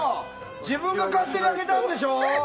自分が勝手に開けたんでしょ！